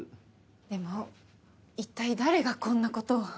でも一体誰がこんな事を。